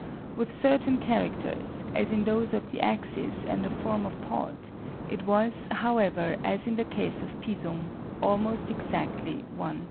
With certain characters, as in those of the axis and the form of pod it was, however, as in the case of Pisum, almost exactly 1 :3.